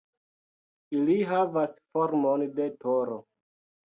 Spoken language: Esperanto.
Ili havas formon de toro.